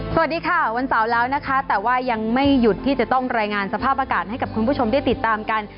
สวัสดีค่ะวันเสาร์แล้วนะคะแต่ว่ายังไม่หยุดที่จะต้องรายงานสภาพอากาศให้กับคุณผู้ชมได้ติดตามกัน